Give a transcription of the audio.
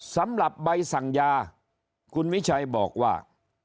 สำหรับใบสั่งยาคุณวิชัยบอกว่า